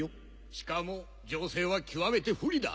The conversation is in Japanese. しかも情勢は極めて不利だ。